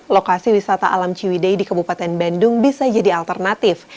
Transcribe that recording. lokasi wisata alam ciwidei di kabupaten bandung bisa jadi alternatif